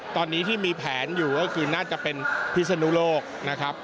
ตอนนี้ที่มีแผนอยู่ก็คือน่าจะเป็นพิศนุโลกนะครับ